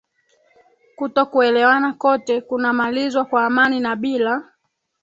kutokuelewana kote kunamalizwa kwa amani na bila